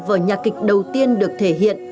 vở nhạc kịch đầu tiên được thể hiện